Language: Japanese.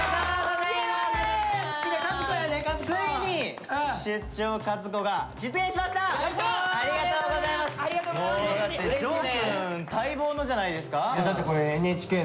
だって丈くん待望のじゃないですか？